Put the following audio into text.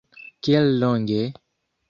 Kiel longe?